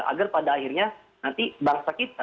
agar pada akhirnya nanti bangsa kita